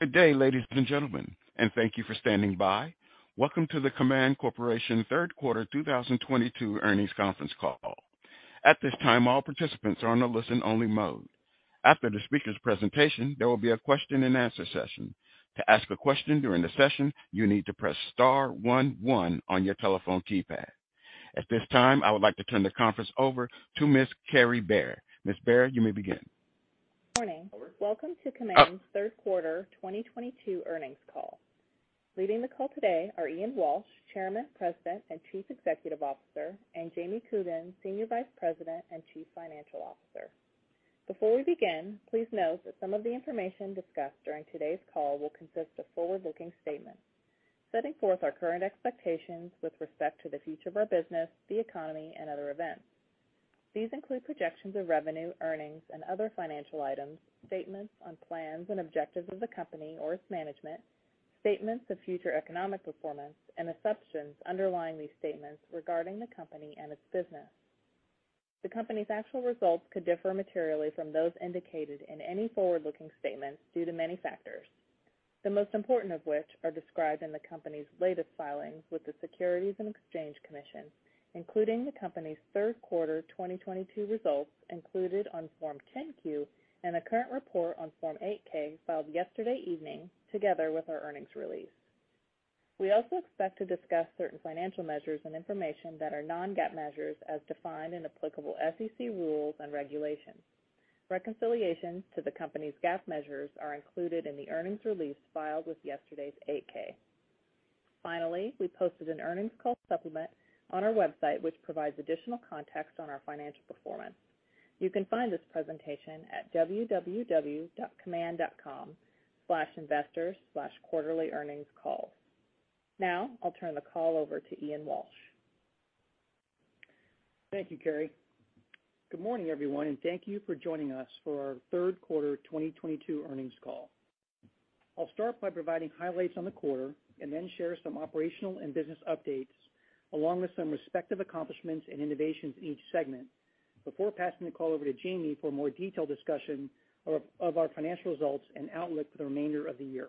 Good day, ladies and gentlemen, and thank you for standing by. Welcome to the Kaman Corporation third quarter 2022 earnings conference call. At this time, all participants are on a listen-only mode. After the speaker's presentation, there will be a question-and-answer session. To ask a question during the session, you need to press star one one on your telephone keypad. At this time, I would like to turn the conference over to Ms. Kary Bare. Ms. Bare, you may begin. Morning. Welcome to Kaman's third quarter 2022 earnings call. Leading the call today are Ian Walsh, Chairman, President, and Chief Executive Officer, and Jamie Coogan, Senior Vice President and Chief Financial Officer. Before we begin, please note that some of the information discussed during today's call will consist of forward-looking statements, setting forth our current expectations with respect to the future of our business, the economy, and other events. These include projections of revenue, earnings, and other financial items, statements on plans and objectives of the company or its management, statements of future economic performance, and assumptions underlying these statements regarding the company and its business. The company's actual results could differ materially from those indicated in any forward-looking statements due to many factors, the most important of which are described in the company's latest filings with the Securities and Exchange Commission, including the company's third quarter 2022 results included on Form 10-Q and a current report on Form 8-K filed yesterday evening together with our earnings release. We also expect to discuss certain financial measures and information that are non-GAAP measures as defined in applicable SEC rules and regulations. Reconciliations to the company's GAAP measures are included in the earnings release filed with yesterday's 8-K. Finally, we posted an earnings call supplement on our website, which provides additional context on our financial performance. You can find this presentation at www.kaman.com/investors/quarterlyearningscall. Now, I'll turn the call over to Ian Walsh. Thank you, Kary. Good morning, everyone, and thank you for joining us for our third quarter 2022 earnings call. I'll start by providing highlights on the quarter and then share some operational and business updates along with some respective accomplishments and innovations in each segment before passing the call over to Jamie for a more detailed discussion of our financial results and outlook for the remainder of the year.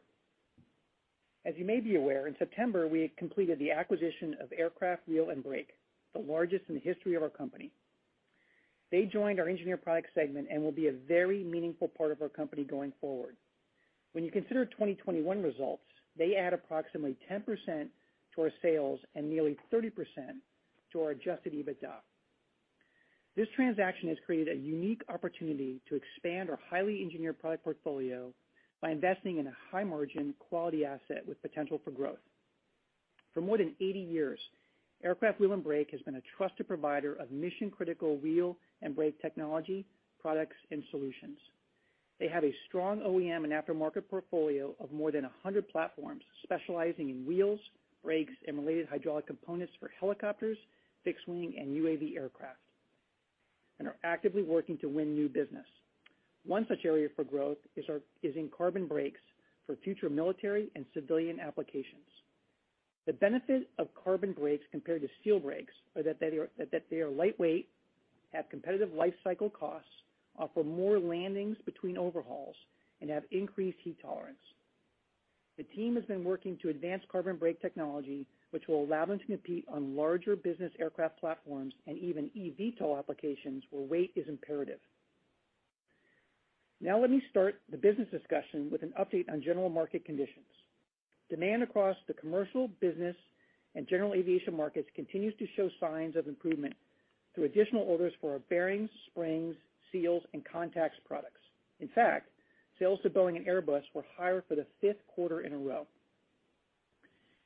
As you may be aware, in September, we had completed the acquisition of Aircraft Wheel & Brake, the largest in the history of our company. They joined our Engineered Products segment and will be a very meaningful part of our company going forward. When you consider 2021 results, they add approximately 10% to our sales and nearly 30% to our adjusted EBITDA. This transaction has created a unique opportunity to expand our highly engineered product portfolio by investing in a high-margin quality asset with potential for growth. For more than 80 years, Aircraft Wheel & Brake has been a trusted provider of mission-critical wheel and brake technology, products, and solutions. They have a strong OEM and aftermarket portfolio of more than 100 platforms, specializing in wheels, brakes, and related hydraulic components for helicopters, fixed wing, and UAV aircraft, and are actively working to win new business. One such area for growth is in carbon brakes for future military and civilian applications. The benefit of carbon brakes compared to steel brakes are that they are lightweight, have competitive life cycle costs, offer more landings between overhauls, and have increased heat tolerance. The team has been working to advance carbon brake technology, which will allow them to compete on larger business aircraft platforms and even eVTOL applications where weight is imperative. Now let me start the business discussion with an update on general market conditions. Demand across the commercial business and general aviation markets continues to show signs of improvement through additional orders for our bearings, springs, seals, and contacts products. In fact, sales to Boeing and Airbus were higher for the fifth quarter in a row.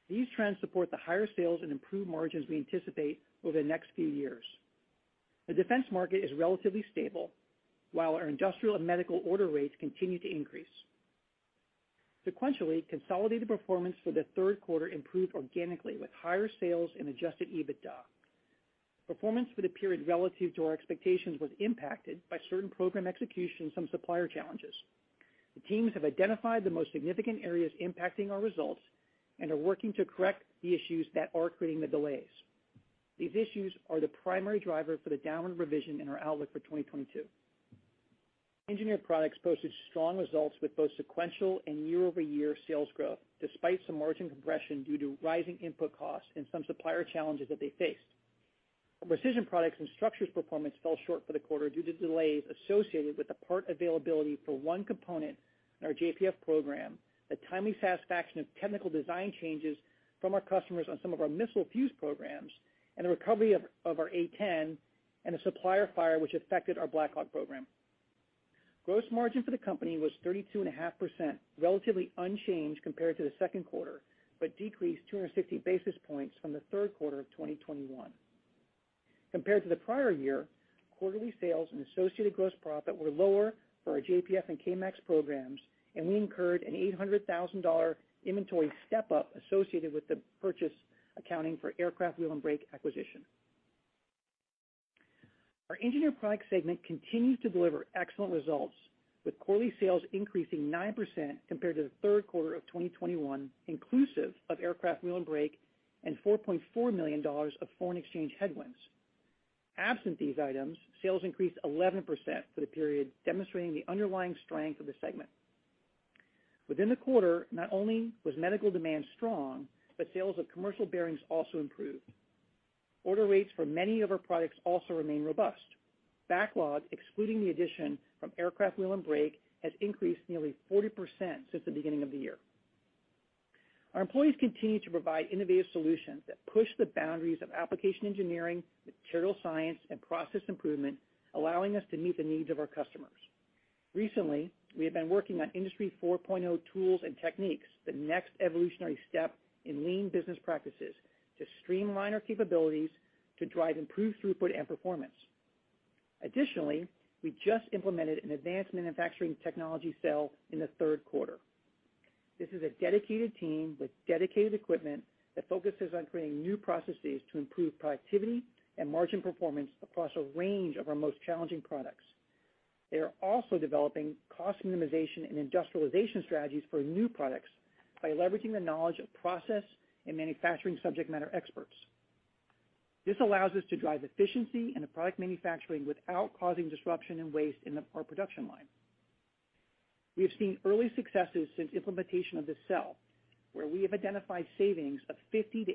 These trends support the higher sales and improved margins we anticipate over the next few years. The defense market is relatively stable, while our industrial and medical order rates continue to increase. Sequentially, consolidated performance for the third quarter improved organically with higher sales and adjusted EBITDA. Performance for the period relative to our expectations was impacted by certain program execution, some supplier challenges. The teams have identified the most significant areas impacting our results and are working to correct the issues that are creating the delays. These issues are the primary driver for the downward revision in our outlook for 2022. Engineered Products posted strong results with both sequential and year-over-year sales growth, despite some margin compression due to rising input costs and some supplier challenges that they faced. Our Precision Products and Structures performance fell short for the quarter due to delays associated with the part availability for one component in our JPF program, the timely satisfaction of technical design changes from our customers on some of our missile fuze programs, and the recovery of our A-10 and a supplier fire which affected our Black Hawk program. Gross margin for the company was 32.5%, relatively unchanged compared to the second quarter, but decreased 260 basis points from the third quarter of 2021. Compared to the prior year, quarterly sales and associated gross profit were lower for our JPF and K-MAX programs, and we incurred an $800,000 inventory step-up associated with the purchase accounting for Aircraft Wheel & Brake acquisition. Our Engineered Products segment continues to deliver excellent results, with quarterly sales increasing 9% compared to the third quarter of 2021, inclusive of Aircraft Wheel & Brake and $4.4 million of foreign exchange headwinds. Absent these items, sales increased 11% for the period, demonstrating the underlying strength of the segment. Within the quarter, not only was medical demand strong, but sales of commercial bearings also improved. Order rates for many of our products also remain robust. Backlog, excluding the addition from Aircraft Wheel & Brake, has increased nearly 40% since the beginning of the year. Our employees continue to provide innovative solutions that push the boundaries of application engineering, material science, and process improvement, allowing us to meet the needs of our customers. Recently, we have been working on Industry 4.0 tools and techniques, the next evolutionary step in lean business practices, to streamline our capabilities to drive improved throughput and performance. Additionally, we just implemented an advanced manufacturing technology cell in the third quarter. This is a dedicated team with dedicated equipment that focuses on creating new processes to improve productivity and margin performance across a range of our most challenging products. They are also developing cost minimization and industrialization strategies for new products by leveraging the knowledge of process and manufacturing subject matter experts. This allows us to drive efficiency in the product manufacturing without causing disruption and waste in our production line. We have seen early successes since implementation of this cell, where we have identified savings of 50%-80%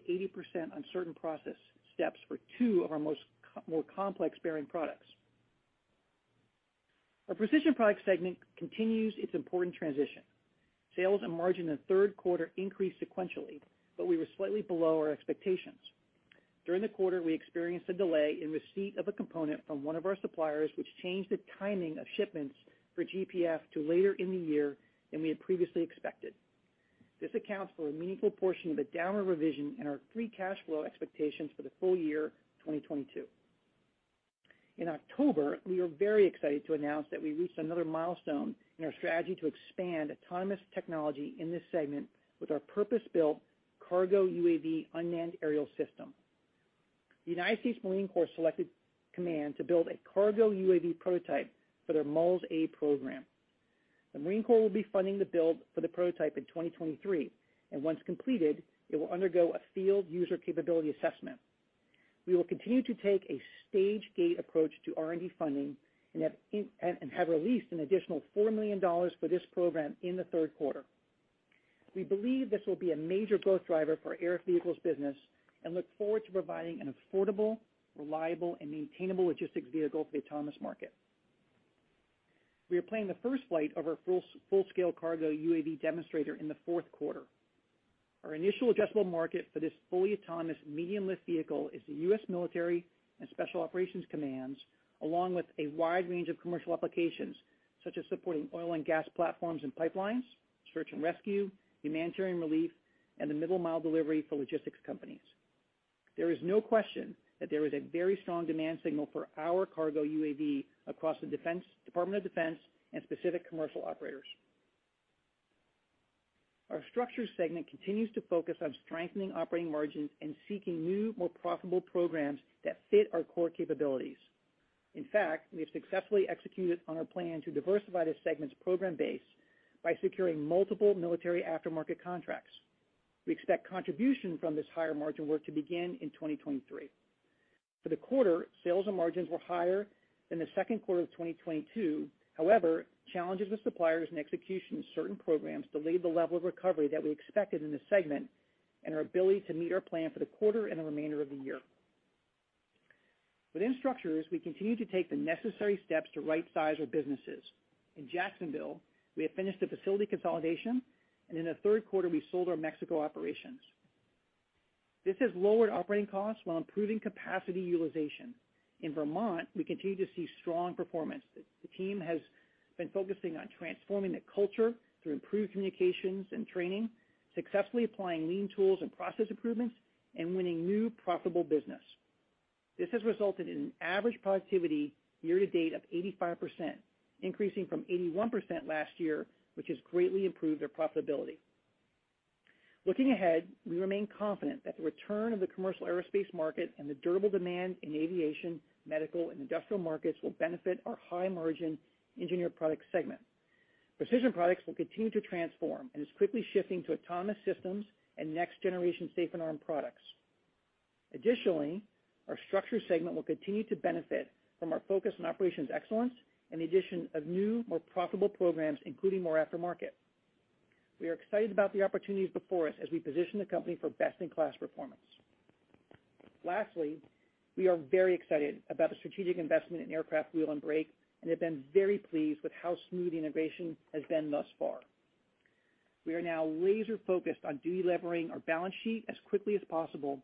on certain process steps for two of our most complex bearing products. Our Precision Products segment continues its important transition. Sales and margin in the third quarter increased sequentially, but we were slightly below our expectations. During the quarter, we experienced a delay in receipt of a component from one of our suppliers, which changed the timing of shipments for JPF to later in the year than we had previously expected. This accounts for a meaningful portion of the downward revision in our free cash flow expectations for the full year 2022. In October, we were very excited to announce that we reached another milestone in our strategy to expand autonomous technology in this segment with our purpose-built KARGO UAV unmanned aerial system. The United States Marine Corps selected Kaman to build a KARGO UAV prototype for their MULS-A program. The Marine Corps will be funding the build for the prototype in 2023, and once completed, it will undergo a field user capability assessment. We will continue to take a stage gate approach to R&D funding and have released an additional $4 million for this program in the third quarter. We believe this will be a major growth driver for our air vehicles business and look forward to providing an affordable, reliable, and maintainable logistics vehicle for the autonomous market. We are planning the first flight of our full-scale KARGO UAV demonstrator in the fourth quarter. Our initial addressable market for this fully autonomous medium-lift vehicle is the U.S. military and special operations commands, along with a wide range of commercial applications, such as supporting oil and gas platforms and pipelines, search and rescue, humanitarian relief, and the middle mile delivery for logistics companies. There is no question that there is a very strong demand signal for our KARGO UAV across the defense, Department of Defense and specific commercial operators. Our Structures segment continues to focus on strengthening operating margins and seeking new, more profitable programs that fit our core capabilities. In fact, we have successfully executed on our plan to diversify the segment's program base by securing multiple military aftermarket contracts. We expect contribution from this higher margin work to begin in 2023. For the quarter, sales and margins were higher than the second quarter of 2022. However, challenges with suppliers and execution of certain programs delayed the level of recovery that we expected in this segment and our ability to meet our plan for the quarter and the remainder of the year. Within Structures, we continue to take the necessary steps to right size our businesses. In Jacksonville, we have finished the facility consolidation, and in the third quarter, we sold our Mexico operations. This has lowered operating costs while improving capacity utilization. In Vermont, we continue to see strong performance. The team has been focusing on transforming the culture through improved communications and training, successfully applying lean tools and process improvements, and winning new profitable business. This has resulted in an average productivity year to date of 85%, increasing from 81% last year, which has greatly improved their profitability. Looking ahead, we remain confident that the return of the commercial aerospace market and the durable demand in aviation, medical, and industrial markets will benefit our high margin Engineered Products segment. Precision Products will continue to transform and is quickly shifting to autonomous systems and next generation safe and armed products. Additionally, our Structures segment will continue to benefit from our focus on operations excellence and the addition of new, more profitable programs, including more aftermarket. We are excited about the opportunities before us as we position the company for best in class performance. Lastly, we are very excited about the strategic investment in Aircraft Wheel & Brake and have been very pleased with how smooth the integration has been thus far. We are now laser focused on deleveraging our balance sheet as quickly as possible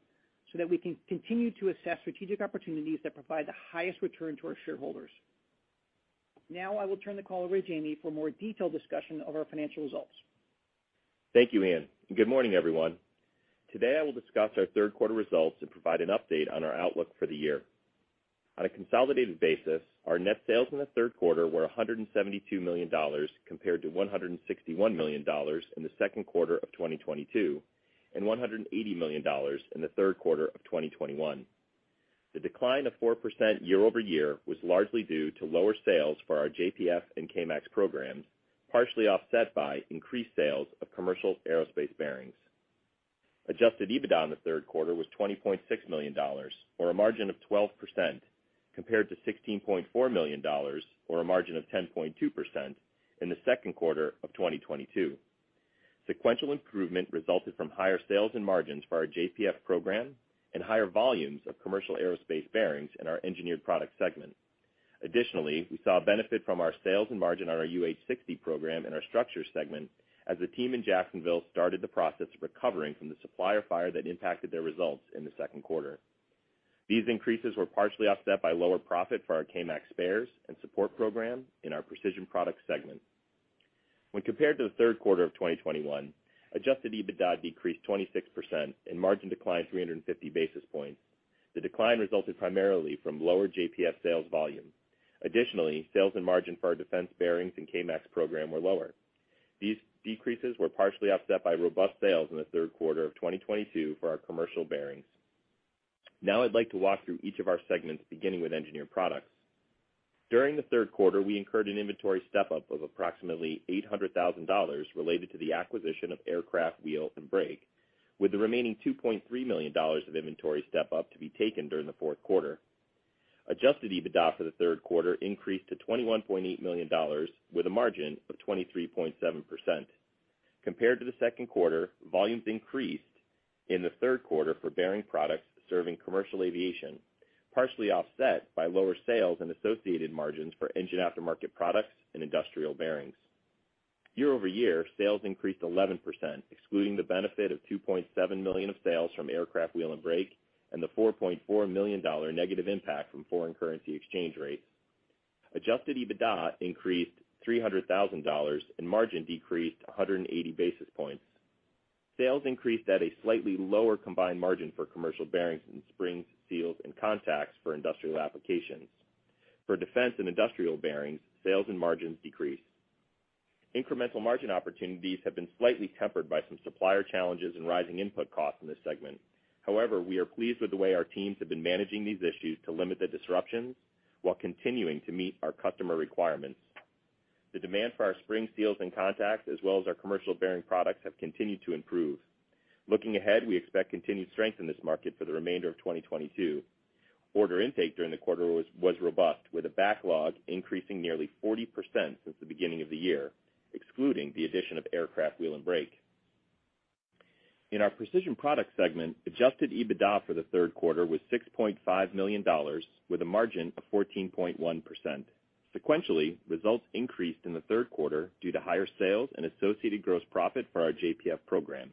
so that we can continue to assess strategic opportunities that provide the highest return to our shareholders. Now I will turn the call over to Jamie for a more detailed discussion of our financial results. Thank you, Ian, and good morning, everyone. Today, I will discuss our third quarter results and provide an update on our outlook for the year. On a consolidated basis, our net sales in the third quarter were $172 million compared to $161 million in the second quarter of 2022 and $180 million in the third quarter of 2021. The decline of 4% year-over-year was largely due to lower sales for our JPF and KMAX programs, partially offset by increased sales of commercial aerospace bearings. Adjusted EBITDA in the third quarter was $20.6 million, or a margin of 12% compared to $16.4 million or a margin of 10.2% in the second quarter of 2022. Sequential improvement resulted from higher sales and margins for our JPF program and higher volumes of commercial aerospace bearings in our Engineered Products segment. Additionally, we saw a benefit from our sales and margin on our UH-60 program in our Structures segment as the team in Jacksonville started the process of recovering from the supplier fire that impacted their results in the second quarter. These increases were partially offset by lower profit for our K-MAX spares and support program in our Precision Products segment. When compared to the third quarter of 2021, adjusted EBITDA decreased 26% and margin declined 350 basis points. The decline resulted primarily from lower JPF sales volume. Additionally, sales and margin for our defense bearings and K-MAX program were lower. These decreases were partially offset by robust sales in the third quarter of 2022 for our commercial bearings. Now I'd like to walk through each of our segments, beginning with Engineered Products. During the third quarter, we incurred an inventory step-up of approximately $800 thousand related to the acquisition of Aircraft Wheel & Brake, with the remaining $2.3 million of inventory step-up to be taken during the fourth quarter. Adjusted EBITDA for the third quarter increased to $21.8 million, with a margin of 23.7%. Compared to the second quarter, volumes increased in the third quarter for bearing products serving commercial aviation, partially offset by lower sales and associated margins for engine aftermarket products and industrial bearings. Year-over-year, sales increased 11%, excluding the benefit of $2.7 million of sales from Aircraft Wheel & Brake and the $4.4 million negative impact from foreign currency exchange rates. Adjusted EBITDA increased $300,000 and margin decreased 180 basis points. Sales increased at a slightly lower combined margin for commercial bearings and springs, seals, and contacts for industrial applications. For defense and industrial bearings, sales and margins decreased. Incremental margin opportunities have been slightly tempered by some supplier challenges and rising input costs in this segment. However, we are pleased with the way our teams have been managing these issues to limit the disruptions while continuing to meet our customer requirements. The demand for our springs, seals, and contacts, as well as our commercial bearing products have continued to improve. Looking ahead, we expect continued strength in this market for the remainder of 2022. Order intake during the quarter was robust, with a backlog increasing nearly 40% since the beginning of the year, excluding the addition of Aircraft Wheel & Brake. In our Precision Products segment, adjusted EBITDA for the third quarter was $6.5 million with a margin of 14.1%. Sequentially, results increased in the third quarter due to higher sales and associated gross profit for our JPF program.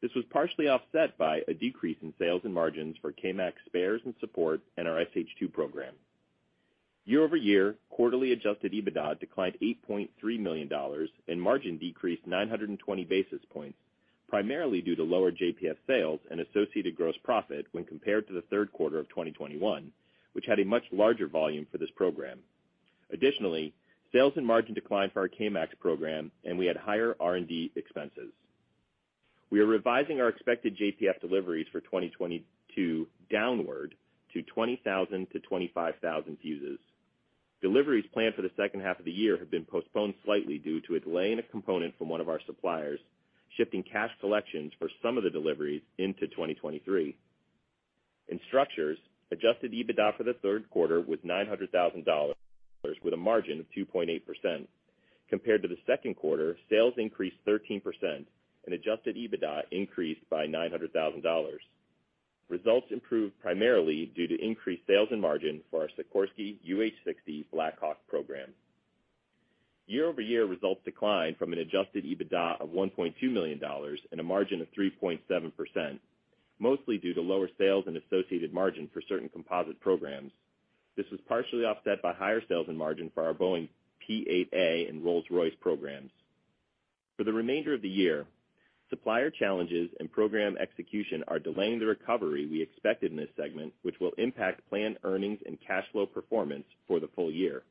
This was partially offset by a decrease in sales and margins for K-MAX spares and support and our SH-2 program. Year-over-year, quarterly adjusted EBITDA declined $8.3 million and margin decreased 920 basis points, primarily due to lower JPF sales and associated gross profit when compared to the third quarter of 2021, which had a much larger volume for this program. Additionally, sales and margin declined for our K-MAX program, and we had higher R&D expenses. We are revising our expected JPF deliveries for 2022 downward to 20,000 fuzes-25,000 fuzes. Deliveries planned for the second half of the year have been postponed slightly due to a delay in a component from one of our suppliers, shifting cash collections for some of the deliveries into 2023. In Structures, adjusted EBITDA for the third quarter was $900,000 with a margin of 2.8%. Compared to the second quarter, sales increased 13% and adjusted EBITDA increased by $900,000. Results improved primarily due to increased sales and margin for our Sikorsky UH-60 Black Hawk program. Year-over-year, results declined from an adjusted EBITDA of $1.2 million and a margin of 3.7%, mostly due to lower sales and associated margin for certain composite programs. This was partially offset by higher sales and margin for our Boeing P-8A and Rolls-Royce programs. For the remainder of the year, supplier challenges and program execution are delaying the recovery we expected in this segment, which will impact planned earnings and cash flow performance for the full year.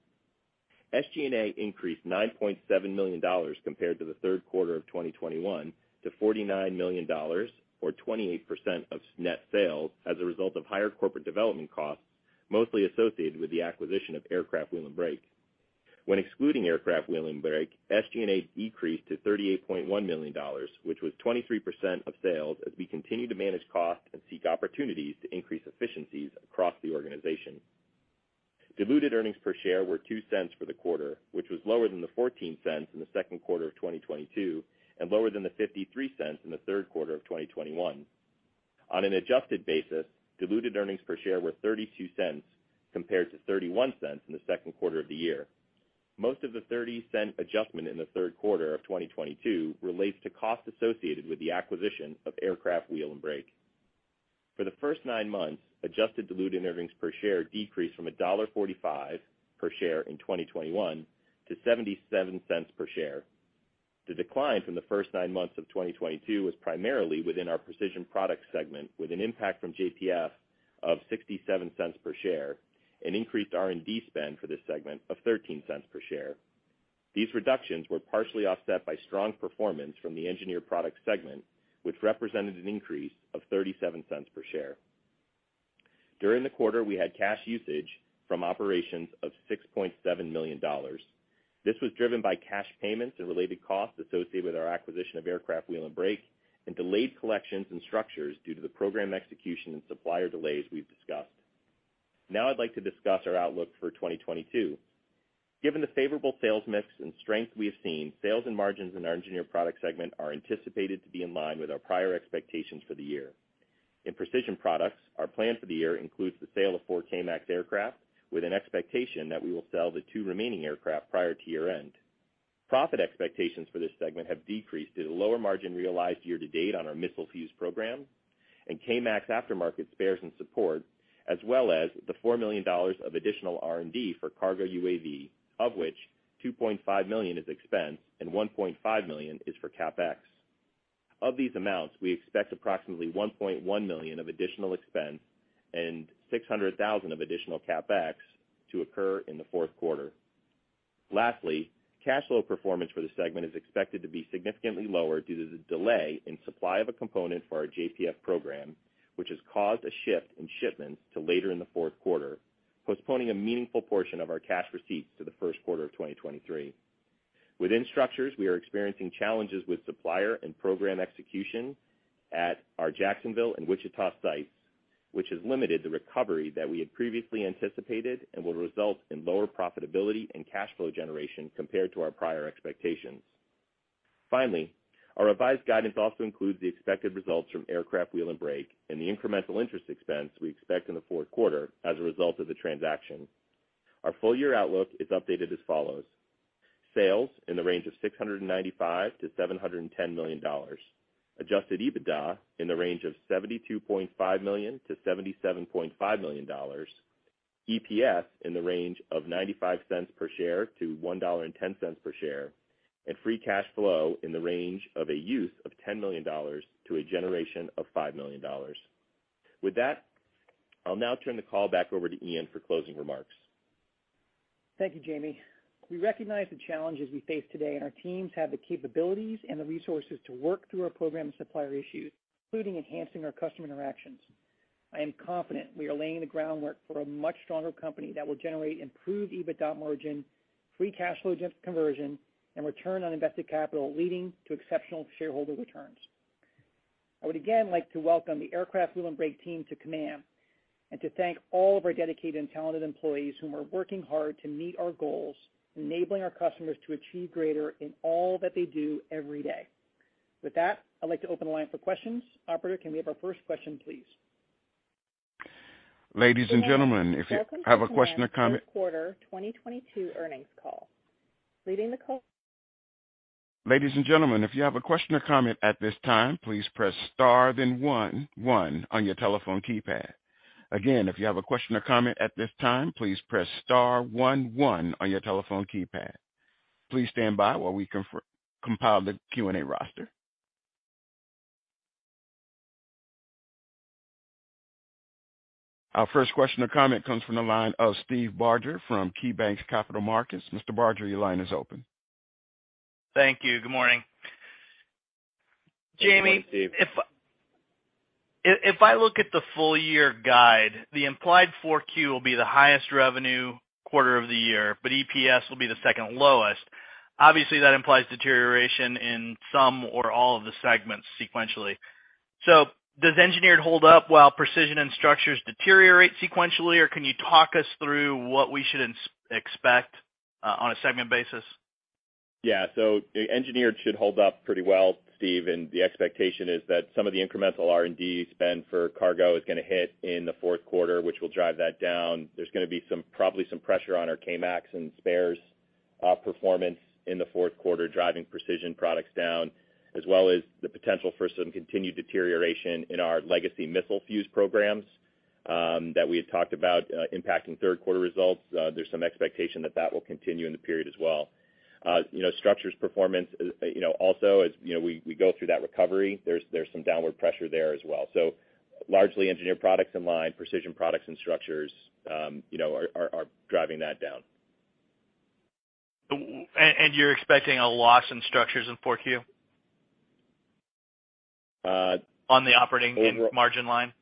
SG&A increased $9.7 million compared to the third quarter of 2021 to $49 million or 28% of net sales as a result of higher corporate development costs, mostly associated with the acquisition of Aircraft Wheel & Brake. When excluding Aircraft Wheel & Brake, SG&A decreased to $38.1 million, which was 23% of sales as we continue to manage costs and seek opportunities to increase efficiencies across the organization. Diluted earnings per share were $0.02 for the quarter, which was lower than the $0.14 in the second quarter of 2022, and lower than the $0.53 in the third quarter of 2021. On an adjusted basis, diluted earnings per share were $0.32 compared to $0.31 in the second quarter of the year. Most of the $0.30 adjustment in the third quarter of 2022 relates to costs associated with the acquisition of Aircraft Wheel & Brake. For the first nine months, adjusted diluted earnings per share decreased from $1.45 per share in 2021 to $0.77 per share. The decline from the first nine months of 2022 was primarily within our Precision Products segment, with an impact from JPF of $0.67 per share and increased R&D spend for this segment of $0.13 per share. These reductions were partially offset by strong performance from the Engineered Products segment, which represented an increase of $0.37 per share. During the quarter, we had cash usage from operations of $6.7 million. This was driven by cash payments and related costs associated with our acquisition of Aircraft Wheel & Brake and delayed collections and Structures due to the program execution and supplier delays we've discussed. Now I'd like to discuss our outlook for 2022. Given the favorable sales mix and strength we have seen, sales and margins in our Engineered Products segment are anticipated to be in line with our prior expectations for the year. In Precision Products, our plan for the year includes the sale of four K-MAX aircraft, with an expectation that we will sell the two remaining aircraft prior to year-end. Profit expectations for this segment have decreased due to lower margin realized year to date on our missile fuze program and K-MAX aftermarket spares and support, as well as the $4 million of additional R&D for KARGO UAV, of which $2.5 million is expense and $1.5 million is for CapEx. Of these amounts, we expect approximately $1.1 million of additional expense and $600,000 of additional CapEx to occur in the fourth quarter. Lastly, cash flow performance for the segment is expected to be significantly lower due to the delay in supply of a component for our JPF program, which has caused a shift in shipments to later in the fourth quarter, postponing a meaningful portion of our cash receipts to the first quarter of 2023. Within Structures, we are experiencing challenges with supplier and program execution at our Jacksonville and Wichita sites, which has limited the recovery that we had previously anticipated and will result in lower profitability and cash flow generation compared to our prior expectations. Finally, our revised guidance also includes the expected results from Aircraft Wheel & Brake and the incremental interest expense we expect in the fourth quarter as a result of the transaction. Our full-year outlook is updated as follows, sales in the range of $695 million-$710 million, adjusted EBITDA in the range of $72.5 million-$77.5 million, EPS in the range of $0.95 per share-$1.10 per share, and free cash flow in the range of a use of $10 million to a generation of $5 million. With that, I'll now turn the call back over to Ian for closing remarks. Thank you, Jamie. We recognize the challenges we face today, and our teams have the capabilities and the resources to work through our program and supplier issues, including enhancing our customer interactions. I am confident we are laying the groundwork for a much stronger company that will generate improved EBITDA margin, free cash flow conversion, and return on invested capital, leading to exceptional shareholder returns. I would again like to welcome the Aircraft Wheel & Brake team to Kaman, and to thank all of our dedicated and talented employees who are working hard to meet our goals, enabling our customers to achieve greater in all that they do every day. With that, I'd like to open the line for questions. Operator, can we have our first question, please? Ladies and gentlemen, if you have a question or comment. Welcome to Kaman's first quarter 2022 earnings call. Leading the call. Ladies and gentlemen, if you have a question or comment at this time, please press star then one one on your telephone keypad. Again, if you have a question or comment at this time, please press star one one on your telephone keypad. Please stand by while we compile the Q&A roster. Our first question or comment comes from the line of Steve Barger from KeyBanc Capital Markets. Mr. Barger, your line is open. Thank you. Good morning. Good morning, Steve. Jamie, if I look at the full-year guide, the implied 4Q will be the highest revenue quarter of the year, but EPS will be the second lowest. Obviously, that implies deterioration in some or all of the segments sequentially. Does Engineered hold up while Precision and Structures deteriorate sequentially, or can you talk us through what we should expect on a segment basis? Yeah. The Engineered Products should hold up pretty well, Steve, and the expectation is that some of the incremental R&D spend for cargo is gonna hit in the fourth quarter, which will drive that down. There's gonna be probably some pressure on our K-MAX and spares performance in the fourth quarter, driving Precision Products down, as well as the potential for some continued deterioration in our legacy missile fuze programs that we had talked about impacting third quarter results. There's some expectation that that will continue in the period as well. You know, Structures performance, you know, also as, you know, we go through that recovery, there's some downward pressure there as well. Largely Engineered Products in line, Precision Products and Structures, you know, are driving that down. You're expecting a loss in Structures in Q4? Uh- On the operating margin line.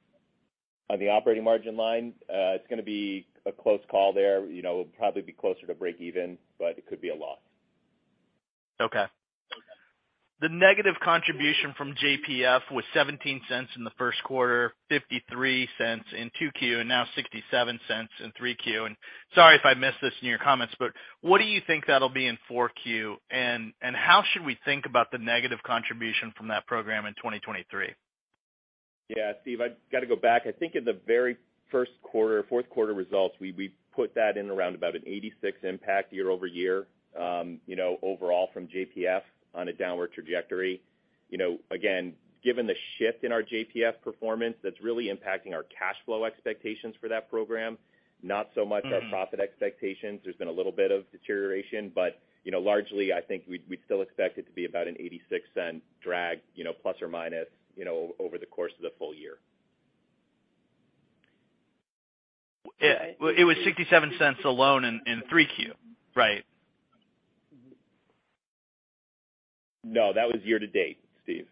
On the operating margin line, it's gonna be a close call there. You know, we'll probably be closer to break even, but it could be a loss. Okay. The negative contribution from JPF was $0.17 in the first quarter, $0.53 in 2Q and now $0.67 in 3Q. Sorry if I missed this in your comments, but what do you think that'll be in 4Q? How should we think about the negative contribution from that program in 2023? Yeah, Steve, I've got to go back. I think in the very first quarter, fourth quarter results, we put that in around about an $86 impact year-over-year, you know, overall from JPF on a downward trajectory. You know, again, given the shift in our JPF performance, that's really impacting our cash flow expectations for that program, not so much. Mm-hmm. Our profit expectations. There's been a little bit of deterioration, but you know, largely, I think we still expect it to be about an $0.86 drag, you know, plus or minus, you know, over the course of the full year. It was $0.67 alone in 3Q, right? No, that was year to date, Steve.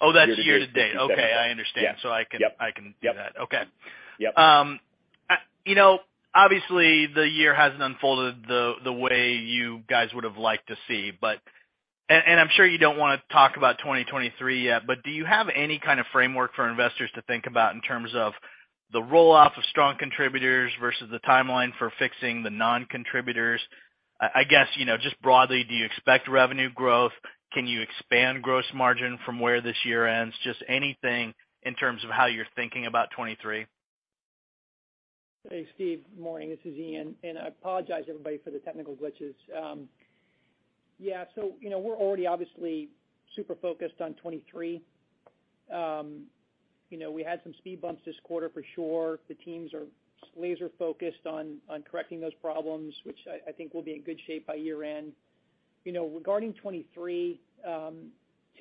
Oh, that's year to date. Year to date. December. Okay. I understand. Yeah. So I can- Yep. I can do that. Yep. Okay. Yep. You know, obviously, the year hasn't unfolded the way you guys would've liked to see, but I'm sure you don't wanna talk about 2023 yet, but do you have any kind of framework for investors to think about in terms of the roll-off of strong contributors versus the timeline for fixing the non-contributors? I guess, you know, just broadly, do you expect revenue growth? Can you expand gross margin from where this year ends? Just anything in terms of how you're thinking about 2023. Hey, Steve. Morning. This is Ian, and I apologize everybody for the technical glitches. You know, we're already obviously super focused on 2023. You know, we had some speed bumps this quarter for sure. The teams are laser focused on correcting those problems, which I think we'll be in good shape by year end. You know, regarding 2023, a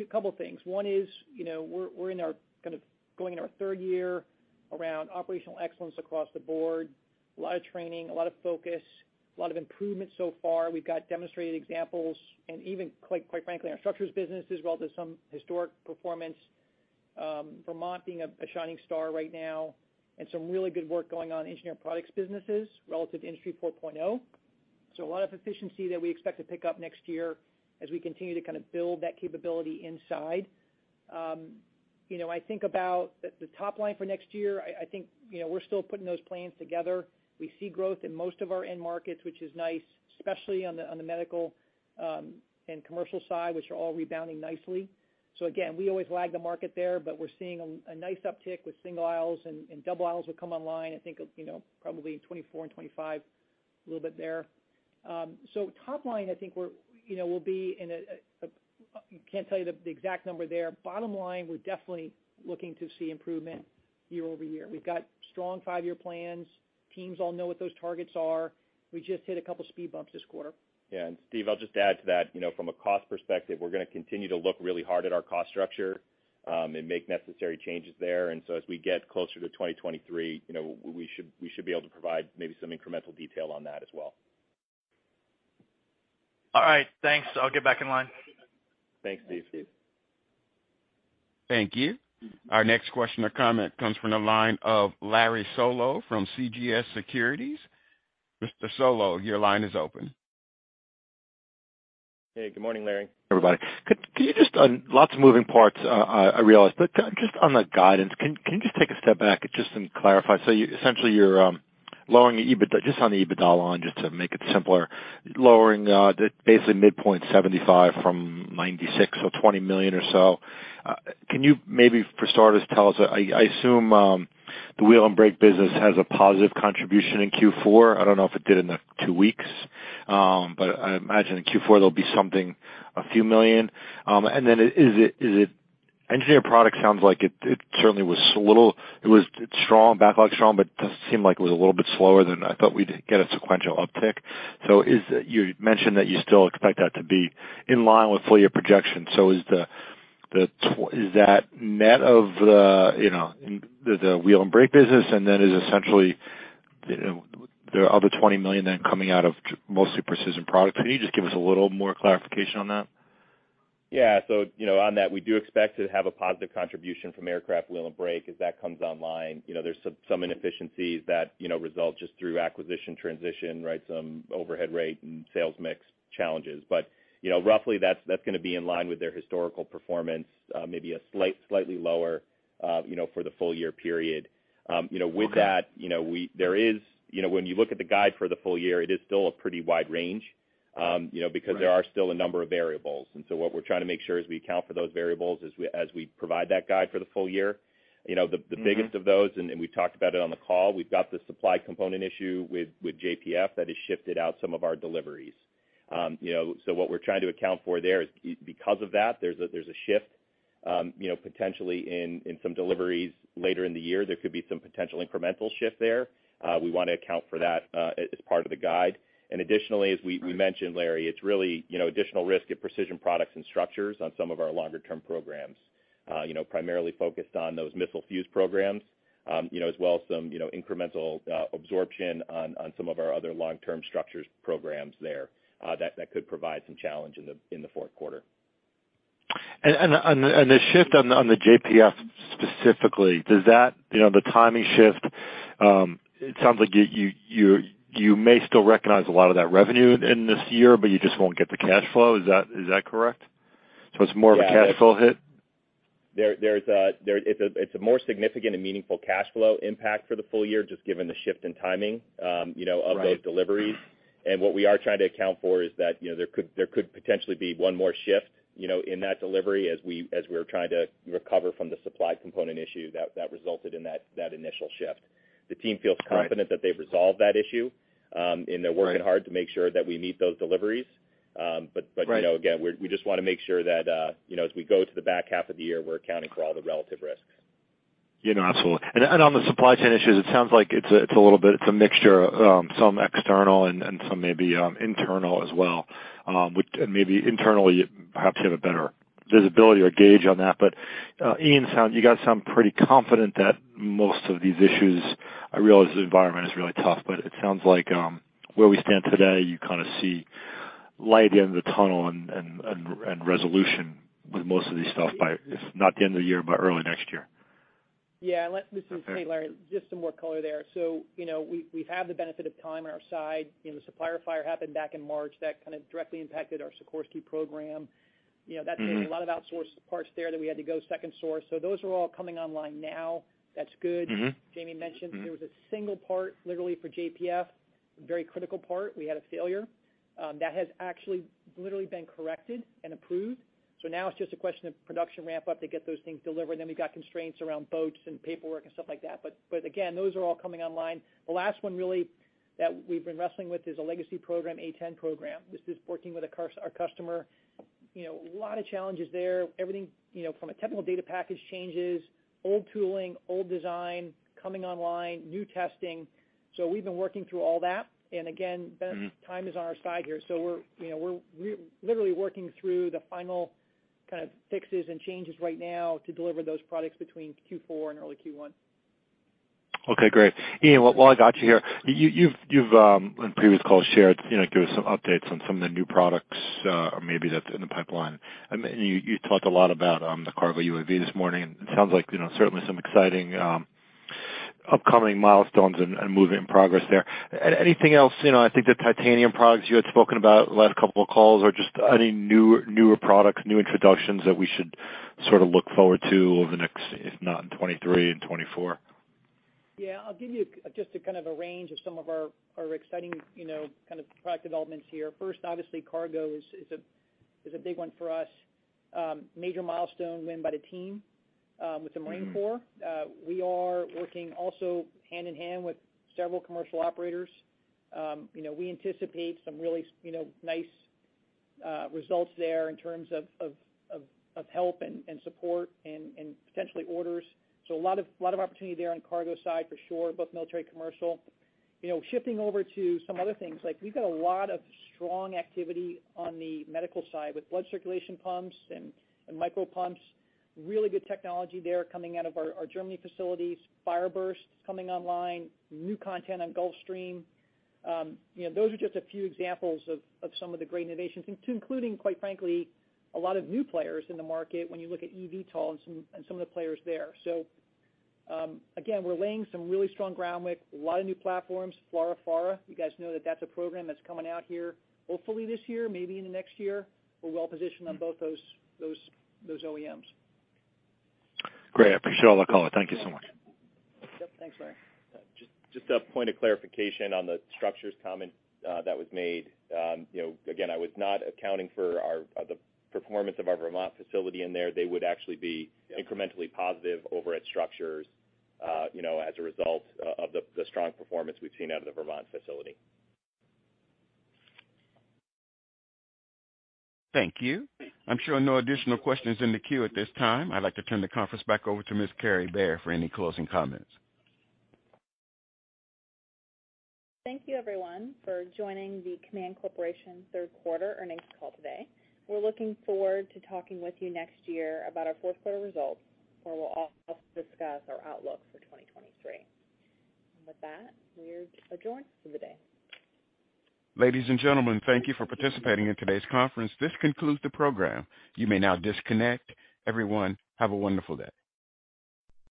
couple of things. One is, you know, we're in our kind of going in our third year around operational excellence across the board. A lot of training, a lot of focus, a lot of improvement so far. We've got demonstrated examples, and even quite frankly, our Structures business as well did some historic performance. Vermont being a shining star right now, and some really good work going on Engineered Products businesses relative to Industry 4.0. A lot of efficiency that we expect to pick up next year as we continue to kind of build that capability inside. You know, I think about the top line for next year. I think, you know, we're still putting those plans together. We see growth in most of our end markets, which is nice, especially on the medical and commercial side, which are all rebounding nicely. We always lag the market there, but we're seeing a nice uptick with single aisles and double aisles will come online, I think, you know, probably in 2024 and 2025, a little bit there. Top line, I think we're, you know, we'll be in a. Can't tell you the exact number there. Bottom line, we're definitely looking to see improvement year-over-year. We've got strong five-year plans. Teams all know what those targets are. We just hit a couple speed bumps this quarter. Yeah. Steve, I'll just add to that. You know, from a cost perspective, we're gonna continue to look really hard at our cost structure, and make necessary changes there. As we get closer to 2023, you know, we should be able to provide maybe some incremental detail on that as well. All right. Thanks. I'll get back in line. Thanks, Steve. Thank you. Our next question or comment comes from the line of Larry Solow from CJS Securities. Mr. Solow, your line is open. Hey, good morning, Larry. Lots of moving parts, I realize, but just on the guidance, can you just take a step back and clarify? You essentially, you're lowering your EBITDA, just on the EBITDA line just to make it simpler, lowering the basically midpoint $75 million from $96 million, so $20 million or so. Can you maybe for starters tell us, I assume, the Wheel & Brake business has a positive contribution in Q4. I don't know if it did in the two weeks. I imagine in Q4 there'll be something, a few million. Is it Engineered Products sounds like it certainly was a little, it was strong, backlog strong, but does seem like it was a little bit slower than I thought we'd get a sequential uptick. You mentioned that you still expect that to be in line with full year projections. Is that net of, you know, the wheel and brake business, and then essentially the other $20 million then coming out of mostly Precision Products? Can you just give us a little more clarification on that? Yeah. You know, on that, we do expect to have a positive contribution from Aircraft Wheel & Brake as that comes online. You know, there's some inefficiencies that, you know, result just through acquisition transition, right? Some overhead rate and sales mix challenges. You know, roughly, that's gonna be in line with their historical performance, maybe slightly lower, you know, for the full year period. You know, with that. Okay. You know, when you look at the guide for the full year, it is still a pretty wide range, you know. Right. Because there are still a number of variables. What we're trying to make sure as we account for those variables as we provide that guide for the full year. You know. Mm-hmm. Biggest of those, we've talked about it on the call. We've got the supply component issue with JPF that has shifted out some of our deliveries. You know, what we're trying to account for there is because of that, there's a shift, you know, potentially in some deliveries later in the year. There could be some potential incremental shift there. We wanna account for that, as part of the guide. Additionally, as we mentioned, Larry, it's really, you know, additional risk at Precision Products and Structures on some of our longer-term programs, primarily focused on those missile fuze programs, you know, as well as some, you know, incremental absorption on some of our other long-term Structures programs there, that could provide some challenge in the fourth quarter. The shift on the JPF specifically, does that, you know, the timing shift. It sounds like you may still recognize a lot of that revenue in this year, but you just won't get the cash flow. Is that correct? It's more of a cash flow hit? It's a more significant and meaningful cash flow impact for the full year, just given the shift in timing, you know. Right. Of those deliveries. What we are trying to account for is that, you know, there could potentially be one more shift, you know, in that delivery as we're trying to recover from the supply component issue that initial shift. The team feels confident. Right. That they've resolved that issue, and they're working hard. Right. To make sure that we meet those deliveries. Right. You know, again, we just wanna make sure that, you know, as we go to the back half of the year, we're accounting for all the relative risks. You know, absolutely. On the supply chain issues, it sounds like it's a little bit of a mixture of some external and some maybe internal as well. Which maybe internally you perhaps have a better visibility or gauge on that. You guys sound pretty confident that most of these issues. I realize the environment is really tough, but it sounds like where we stand today, you kind of see light at the end of the tunnel and resolution with most of these stuff by, if not the end of the year, by early next year. Yeah. This is Ian, Larry. Okay. Just some more color there. You know, we've had the benefit of time on our side. You know, the supplier fire happened back in March. That kind of directly impacted our Sikorsky program. You know, that's. Mm-hmm. A lot of outsourced parts there that we had to go second source. Those are all coming online now. That's good. Mm-hmm. Jamie mentioned. Mm-hmm. There was a single part, literally for JPF, very critical part. We had a failure. That has actually literally been corrected and approved. Now it's just a question of production ramp up to get those things delivered. We've got constraints around both and paperwork and stuff like that. Again, those are all coming online. The last one really that we've been wrestling with is a legacy program, A-10 program. This is working with our customer. You know, a lot of challenges there. Everything, you know, from a technical data package changes, old tooling, old design, coming online, new testing. We've been working through all that. Again, the time is on our side here. We're, you know, literally working through the final kind of fixes and changes right now to deliver those products between Q4 and early Q1. Okay, great. Ian, while I got you here, you've on previous calls shared, you know, gave us some updates on some of the new products or maybe that's in the pipeline. I mean, you talked a lot about the KARGO UAV this morning, and it sounds like, you know, certainly some exciting upcoming milestones and moving progress there. Anything else? You know, I think the titanium products you had spoken about last couple of calls or just any new, newer products, new introductions that we should sort of look forward to over the next, if not in 2023 and 2024? Yeah, I'll give you just a kind of a range of some of our exciting, you know, kind of product developments here. First, obviously, cargo is a big one for us. Major milestone win by the team with the Marine Corps. Mm-hmm. We are working also hand in hand with several commercial operators. You know, we anticipate some really, you know, nice results there in terms of of help and support and potentially orders. A lot of opportunity there on cargo side for sure, both military commercial. You know, shifting over to some other things, like we've got a lot of strong activity on the medical side with blood circulation pumps and micro pumps. Really good technology there coming out of our German facilities, FireBurst coming online, new content on Gulfstream. You know, those are just a few examples of some of the great innovations, including, quite frankly, a lot of new players in the market when you look at eVTOL and some of the players there. again, we're laying some really strong groundwork, a lot of new platforms, FLRAA. You guys know that that's a program that's coming out here, hopefully this year, maybe in the next year. We're well positioned on both those OEMs. Great. I appreciate all the color. Thank you so much. Yep. Thanks, Larry. Just a point of clarification on the Structures comment that was made. You know, again, I was not accounting for the performance of our Vermont facility in there. They would actually be incrementally positive over at Structures, you know, as a result of the strong performance we've seen out of the Vermont facility. Thank you. I'm showing no additional questions in the queue at this time. I'd like to turn the conference back over to Ms. Kary Bare for any closing comments. Thank you, everyone, for joining the Kaman Corporation third quarter earnings call today. We're looking forward to talking with you next year about our fourth quarter results, where we'll also discuss our outlook for 2023. With that, we're adjourned for the day. Ladies and gentlemen, thank you for participating in today's conference. This concludes the program. You may now disconnect. Everyone, have a wonderful day.